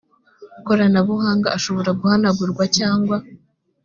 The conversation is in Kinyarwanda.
koranabuhanga ashobora guhanagurwa cyangwa